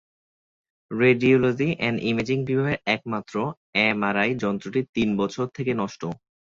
Radiology and imaging বিভাগের একমাত্র MRI যন্ত্রটিও তিন বছর থেকে নষ্ট।